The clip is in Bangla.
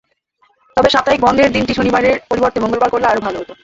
তবে সাপ্তাহিক বন্ধের দিনটি শনিবারের পরিবর্তে মঙ্গলবার করলে আরও ভালো হতো।